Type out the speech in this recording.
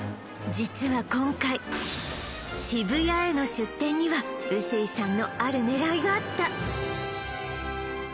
実は今回渋谷への出店には臼井さんのある狙いがあった